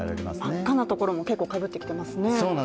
真っ赤なところも結構かぶってきていますね。